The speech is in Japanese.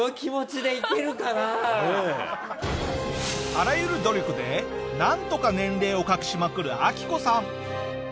あらゆる努力でなんとか年齢を隠しまくるアキコさん。